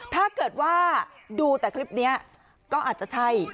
ถ้าเกิดว่าดูแต่คลิปนี้ก็อาจจะใช่